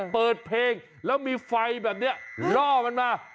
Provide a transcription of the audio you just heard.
เปิดเพลงแล้วมีไฟแบบนี้ล่อมันมา